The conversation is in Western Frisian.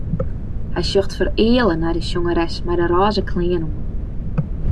Hy sjocht fereale nei de sjongeres mei de rôze klean oan.